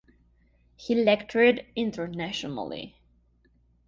He lectured internationally.